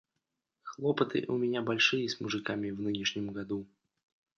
Хлопоты у меня большие с мужиками в нынешнем году.